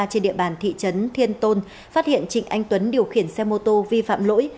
trên địa bàn thị trấn thiên tôn phát hiện trịnh anh tuấn điều khiển xe mô tô vi phạm lỗi